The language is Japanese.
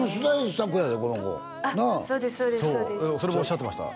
そうそれもおっしゃってました